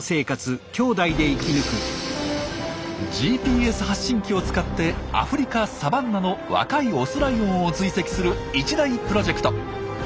ＧＰＳ発信機を使ってアフリカ・サバンナの若いオスライオンを追跡する一大プロジェクト。